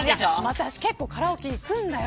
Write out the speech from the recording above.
私結構カラオケ行くんだよ